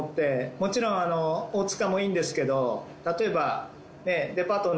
もちろん大塚もいいんですけど